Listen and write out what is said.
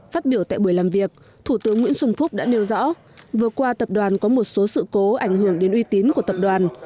phát biểu tại buổi làm việc thủ tướng nguyễn xuân phúc đã nêu rõ vừa qua tập đoàn có một số sự cố ảnh hưởng đến uy tín của tập đoàn